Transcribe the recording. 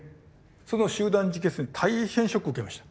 その集団自決に大変ショックを受けました。